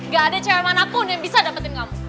gak ada cewek manapun yang bisa dapetin kamu